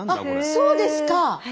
そうですか！